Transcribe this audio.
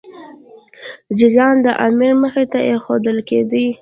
جریان د امیر مخي ته ایښودل کېدی.